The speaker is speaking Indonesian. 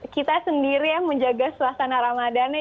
kita sendiri yang menjaga suasana ramadannya